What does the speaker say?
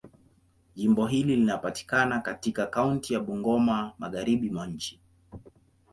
Jimbo hili linapatikana katika kaunti ya Bungoma, Magharibi mwa nchi.